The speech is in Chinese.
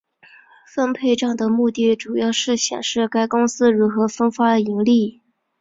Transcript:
分配帐的目的主要是显示该公司如何分发盈利。